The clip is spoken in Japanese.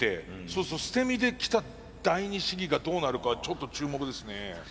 そうすると捨て身できた第二試技がどうなるかはちょっと注目ですね。